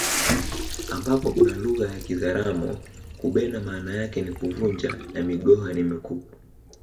Ambapo kwa lugha ya kizaramo kubena maana yake ni kuvunja na migoha ni mikuku